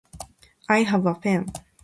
I have a pen.